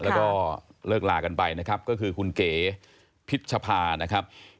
แล้วก็เลิกลากันไปนะครับก็คือคุณเก๋พิชภานะครับ